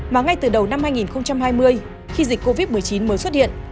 mà ngay từ đầu năm hai nghìn hai mươi khi dịch covid một mươi chín mới xuất hiện